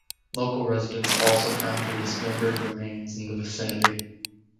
Local residents also found her dismembered remains in the vicinity.